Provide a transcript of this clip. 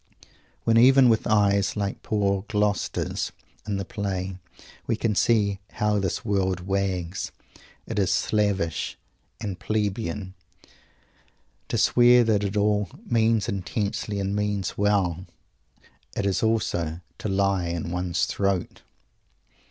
When, even with eyes like poor Gloucester's in the play, we can see "how this world wags," it is slavish and "plebeian" to swear that it all "means intensely, and means well." It is also to lie in one's throat!